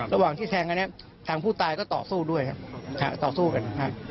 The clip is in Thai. ระหว่างแทงงานนี้ผู้ใต้ชมก็ต่อสู้กัน